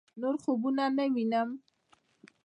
نور خوبونه نه وينم